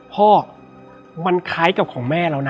พ่อมันคล้ายกับของแม่แล้วนะ